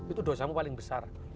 itu dosamu paling besar